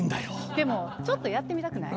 でもちょっとやってみたくない？